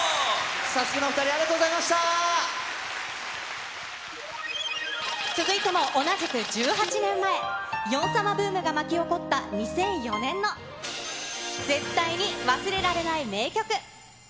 サスケのお２人、ありがとう続いても、同じく１８年前、ヨン様ブームが巻き起こった２００４年の絶対に忘れられない名曲。